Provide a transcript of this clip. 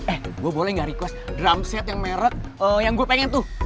eh gue boleh gak request drumset yang merek yang gue pengen tuh